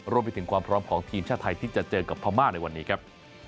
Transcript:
รวมไปถึงความพร้อมของทีมชาติไทยที่จะเจอกับพม่าในวันนี้ครับ